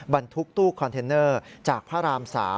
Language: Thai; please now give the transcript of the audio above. บรรทุกตู้คอนเทนเนอร์จากพระราม๓